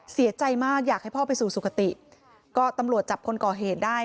เสียใจมากอยากให้พ่อไปสู่สุขติก็ตำรวจจับคนก่อเหตุได้